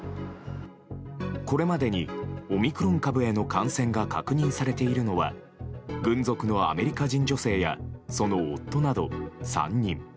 これまでにオミクロン株への感染が確認されているのは軍属のアメリカ人女性やその夫など３人。